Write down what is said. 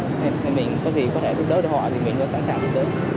thì mình có gì có thể giúp đỡ được họ thì mình cũng sẵn sàng giúp đỡ